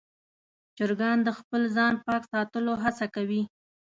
چرګان د خپل ځان پاک ساتلو هڅه کوي.